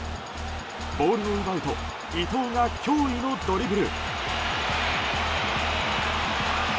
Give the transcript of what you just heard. ボールを奪うと伊東が驚異のドリブル。